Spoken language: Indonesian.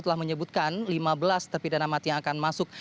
telah menyebutkan lima belas terpidana mati yang akan masuk